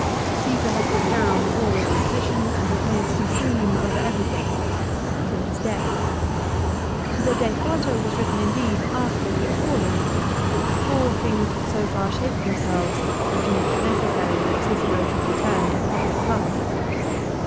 Caesar had put down all oppo sition and was made supreme over everything, till his death. The "De Fato " was written indeed after he had fallen, but before things had so far shaped themselves as to make it necessary that Cicero should return to public life.